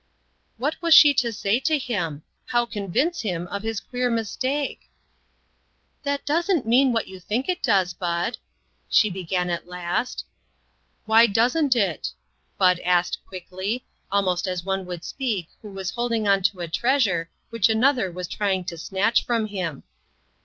What was she to say to him ? How convince him of his queer mistake ?" That doesn't mean what you think it does, Bud," she began at last. "Why doesn't it?" Bud asked, quickly; almost as one would speak who was hold ing on to a treasure which another was try ing to snatch from him.